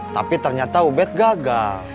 tapi ternyata ube gagal